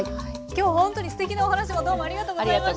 今日は本当にすてきなお話もどうもありがとうございました。